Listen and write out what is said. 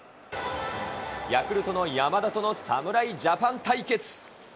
ヤクルトの山田との侍ジャパン対決。